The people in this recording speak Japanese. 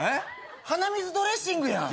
鼻水ドレッシングやん。